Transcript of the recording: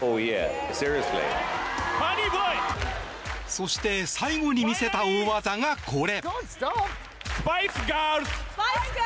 そして最後に見せた大技がこれ。